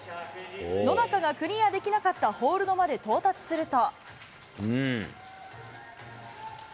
野中がクリアできなかったホールドまで到達すると。